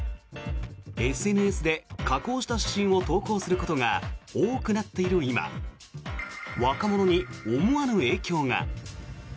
ＳＮＳで加工した写真を投稿することが多くなっている今若者に思わぬ影響が。